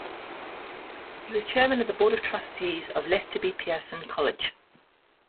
He was Chairman of the Board of Trustees of Lester B. Pearson College.